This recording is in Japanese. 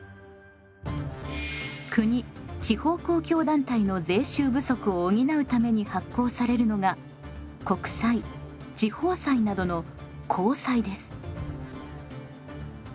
国地方公共団体の税収不足を補うために発行されるのが国債地方債などの公債です。